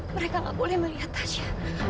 mereka gak boleh melihat tasya